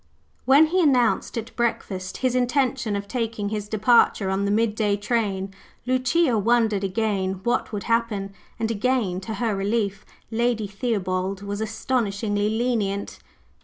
When he announced at breakfast his intention of taking his departure on the midday train, Lucia wondered again what would happen; and again, to her relief, Lady Theobald was astonishingly lenient.